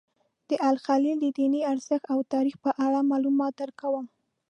د الخلیل د دیني ارزښت او تاریخ په اړه معلومات درکوم.